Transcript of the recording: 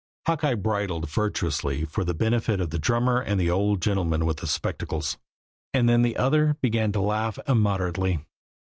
Hawkeye bridled virtuously for the benefit of the drummer and the old gentleman with the spectacles. And then the other began to laugh immoderately.